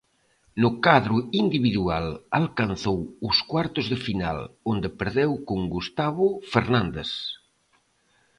No cadro individual alcanzou os cuartos de final, onde perdeu con Gustavo Fernández.